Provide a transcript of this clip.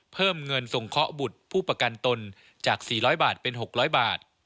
เพิ่มเงินส่งเคราะห์บุตรผู้ประกันตนจาก๔๐๐บาทเป็น๖๐๐บาท